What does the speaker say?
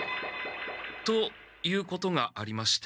ということがありまして。